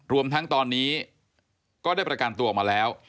รวมทั้งตอนนี้ก็ได้ประกันตัวออกมาแล้ว